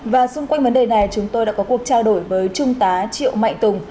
và xung quanh vấn đề này chúng tôi đã có cuộc trao đổi với trung tá triệu mạnh tùng